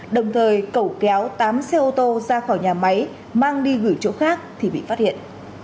đồng thời cẩu kéo tám xe ô tô ra khỏi nhà máy mang đi gửi chỗ khác thì bị phát hiện